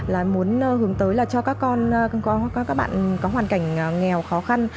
là muốn hướng tới là cho các con các bạn có hoàn cảnh nghèo khó khăn